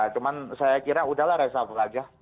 cuma saya kira sudah lah resafel aja